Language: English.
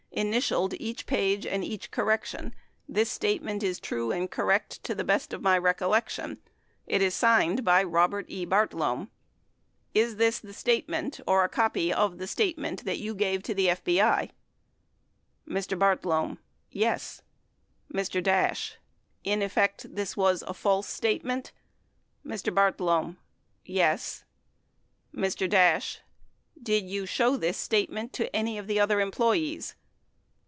Initialed each page and each correction. This statement is true and cor rect to the best of my recollection." It is signed by Robert E. Bartlome. Is this the statement or a copy of the statement that you gave to the FBI ? Mr. Bartlome. Yes. Mr. Dash. In effect, this was a false statement ? Mr. Bartlome. Yes. Mr. Dash. Did you show this statement to any of the other employees